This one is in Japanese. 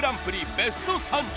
ベスト３０。